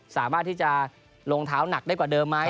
สามารถที่จะลงเท้าหนักได้กว่าเดิมไหม